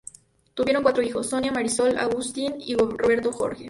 Tuvieron cuatro hijos: Sonia, Marisol, Agustín y Roberto Jorge.